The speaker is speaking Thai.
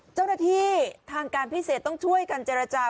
เจ้าหน้าที่ทางการพิเศษต้องช่วยกันเจรจา